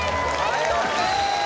はいＯＫー！